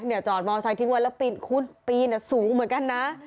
เนี่ยจอดมอร์ไซต์ทิ้งวัลละปีนคู่ปีนอ่ะสูงเหมือนกันนะ